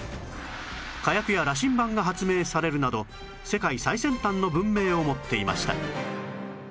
火薬や羅針盤が発明されるなど世界最先端の文明を持っていました